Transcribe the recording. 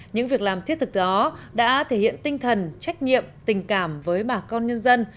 những việc làm thiết thực đó đã thể hiện tinh thần trách nhiệm tình cảm với bà con nhân dân